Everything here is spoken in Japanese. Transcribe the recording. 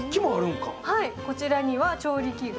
こちらには調理器具。